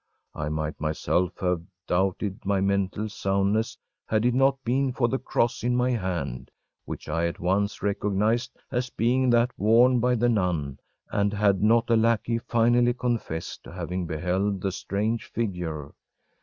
I might myself have doubted my mental soundness had it not been for the cross in my hand, which I at once recognized as being that worn by the nun, and had not a lackey finally confessed to having beheld the strange figure.